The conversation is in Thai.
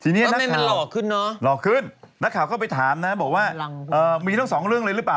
ทีนี้นักข่าวหล่อขึ้นนักข่าวเข้าไปถามนะบอกว่ามีทั้งสองเรื่องเลยหรือเปล่า